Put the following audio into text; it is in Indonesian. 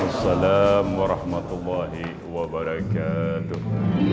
waalaikumsalam warahmatullahi wabarakatuh